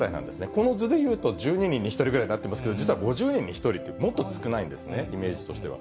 この図でいうと１２人に１人ぐらいになってますけど、実は５０人に１人って、もっと少ないんですね、イメージとしては。